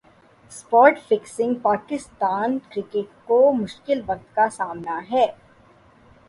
spot fixing Pakistan cricket کو مشکل وقت کا سامنا ہے